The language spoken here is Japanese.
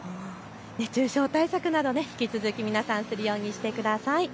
熱中症対策など引き続き皆さん、するようにしてください。